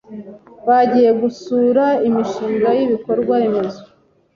bagiye gusura imishinga y'ibikorwa remezo.